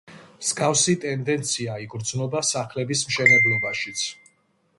მსგავსი ტენდენცია იგრძნობა სახლების მშენებლობაშიც.